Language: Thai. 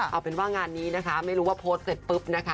เอาเป็นว่างานนี้นะคะไม่รู้ว่าโพสต์เสร็จปุ๊บนะคะ